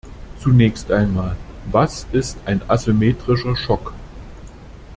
Zunächst einmal, was ist ein asymmetrischer Schock?